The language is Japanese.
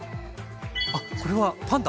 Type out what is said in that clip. あっこれはパンダ？